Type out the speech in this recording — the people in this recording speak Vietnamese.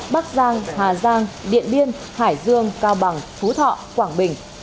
bắc giang hà giang điện biên hải dương cao bằng phú thọ quảng bình